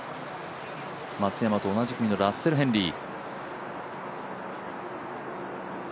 松山と同じ組のラッセル・ヘンリー。